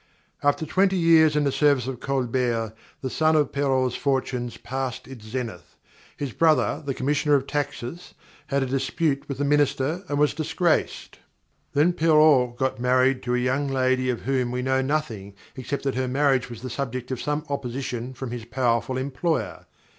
_ _After twenty years in the service of Colbert, the sun of Perrault's fortunes passed its zenith. His brother, the Commissioner of Taxes, had a dispute with the Minister and was disgraced. Then Perrault got married to a young lady of whom we know nothing except that her marriage was the subject of some opposition from his powerful employer.